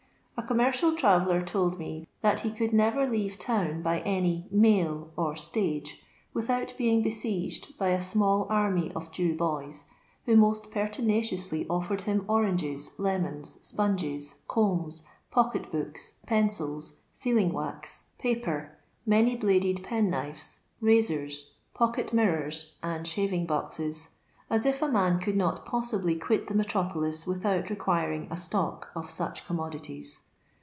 A commer cial traveller told me that he could never leave town by any "mail" or "stage," without being besieged by a small army of Jew boys, who most pertinaciously offered him oranges, lemons, sponges, combs, pocket books, pencils, sealing wax, paper, many bladcd pen knives, razors, pocket mirrors, and shaving boxes — as if a man could not possibly quit the metropolis without requiring a stock of such commodities.